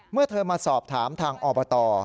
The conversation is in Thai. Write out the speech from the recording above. เมื่อเธอมาสอบถามทางอบต